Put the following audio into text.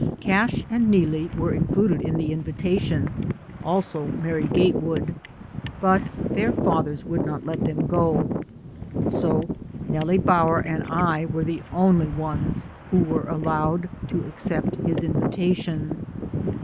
Cash and Neelie were included in the in vitation, also Mary Gatewood, but their fa thers would not let them go. So Nellie Bower and I were the only ones who were allowed to accept his invitation.